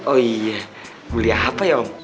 oh iya beli apa ya om